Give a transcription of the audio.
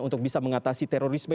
untuk bisa mengatasi terorisme